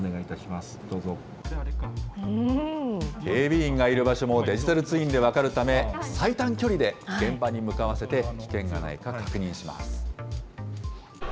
警備員がいる場所もデジタルツインで分かるため、最短距離で現場に向かわせて、危険がないか確認します。